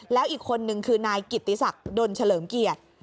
แล้วอีกคนนึงคือนายกิตติศักดิ์ดนเฉลิมเกียรติ